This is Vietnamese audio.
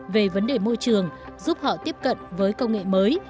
về vấn đề môi trường giúp họ tiếp cận với công nghệ mới